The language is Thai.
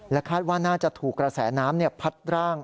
คาดว่าน่าจะถูกกระแสน้ำพัดร่าง